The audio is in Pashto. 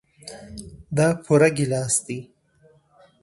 دا پوره ګيلاس دئ.